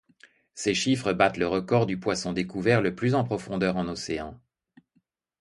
Ces chiffres battent le record du poisson découvert le plus en profondeur en océan.